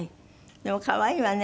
でも可愛いわね